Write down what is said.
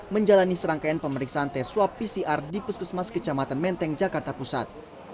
menjalani serangkaian pemeriksaan tes swab pcr di puskesmas kecamatan menteng jakarta pusat